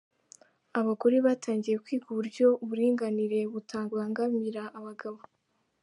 Abagore batangiye kwiga uburyo uburinganire butabangamira abagabo